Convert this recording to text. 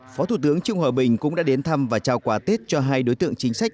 phó thủ tướng trương hòa bình cũng đã đến thăm và trao quà tết cho hai đối tượng chính sách